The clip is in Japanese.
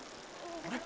あれ？